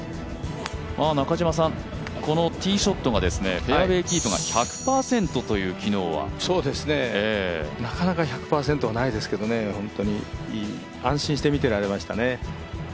このティーショットがフェアウエーキープがなかなか１００％はないですけどね、安心して見てられましたね。